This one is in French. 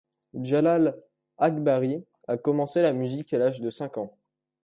Djalal Akhbari a commencé la musique à l'âge de cinq ans.